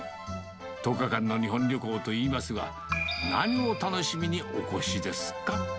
１０日間の日本旅行といいますが、何を楽しみにお越しですか？